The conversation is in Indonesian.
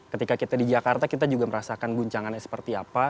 ketika kita di jakarta kita juga merasakan guncangannya seperti apa